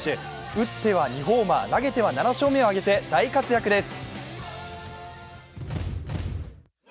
打っては２ホーマー、投げては７勝目を挙げて大活躍です。